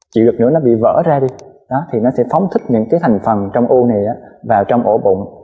chịu gật nữa nó bị vỡ ra đi đó thì nó sẽ phóng thích những cái thành phần trong u này vào trong ô bụng